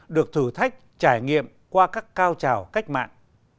được thử thách trải nghiệm qua các cao trào cách mạng